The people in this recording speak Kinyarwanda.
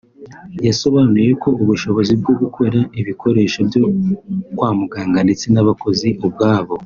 yasobanuye ko ubushobozi bwo gukora ibikoresho byo kwa muganga ndetse n’abakozi ubwabo